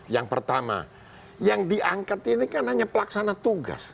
yang pertama yang diangkat ini kan hanya pelaksana tugas